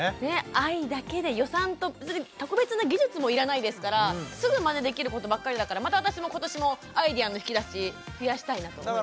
愛だけで予算と別に特別な技術もいらないですからすぐマネできることばっかりだからまた私も今年もアイデアの引き出し増やしたいなと思いました。